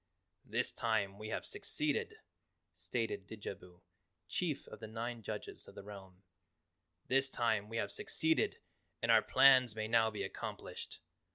"This time we have succeeded," stated Didjabo, chief of the nine Judges of the realm, "this time we have succeeded and our plans may now be accomplished.